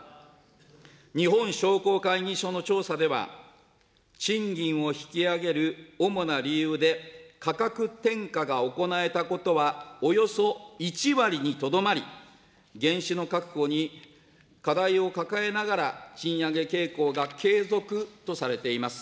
日本商工会議所の調査では、賃金を引き上げる主な理由で、価格転嫁が行えたことはおよそ１割にとどまり、原資の確保に課題を抱えながら賃上げ傾向が継続とされています。